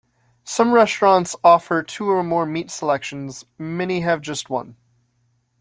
Some restaurants offer two or more meat selections; many have just one.